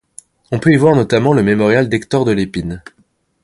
On peut y voir notamment le mémorial d'Hector de l'Epine.